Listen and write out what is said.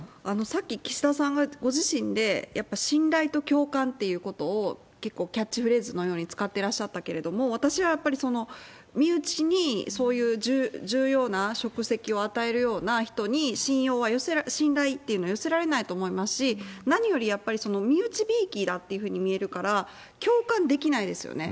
さっき、岸田さんがご自身で、やっぱり信頼と共感ということを結構キャッチフレーズのように使ってらっしゃったけれども、私はやっぱり身内にそういう重要な職責を与えるような人に、信頼っていうのは寄せられないと思いますし、何よりやっぱり、身内びいきだっていうふうに見えるから、共感できないですよね。